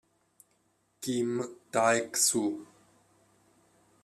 Kim Taek-soo